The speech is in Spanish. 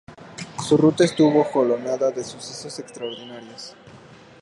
Su ruta estuvo jalonada de sucesos extraordinarios.